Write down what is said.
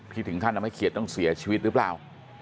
ถึงขั้นทำให้เขียดต้องเสียชีวิตหรือเปล่า